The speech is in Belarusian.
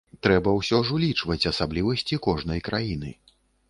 Трэба ўсё ж улічваць асаблівасці кожнай краіны.